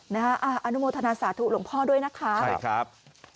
อนุโมทนาสาธุหลวงพ่อด้วยนะคะใช่ครับ